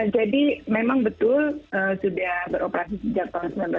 jadi memang betul sudah beroperasi sejak seribu sembilan ratus tujuh puluh empat